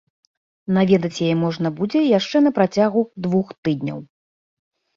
Наведаць яе можна будзе яшчэ на працягу двух тыдняў.